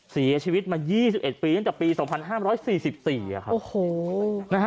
เสียชีวิตมา๒๑ปีตั้งแต่ปี๒๕๔๔ครับ